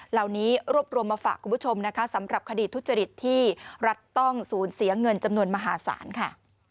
เหล่านี้รวบรวมมาฝากคุณผู้ชมนะคะสำหรับคดีทุจริตที่รัฐต้องสูญเสียเงินจำนวนมหาศาลค่ะ